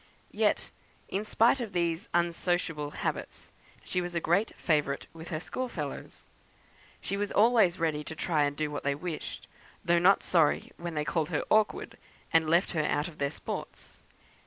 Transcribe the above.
Yet, in spite of these unsociable habits, she was a great favourite with her school fellows. She was always ready to try and do what they wished, though not sorry when they called her awkward, and left her out of their sports.